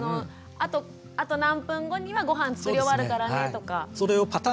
あと何分後にはごはん作り終わるからねとか。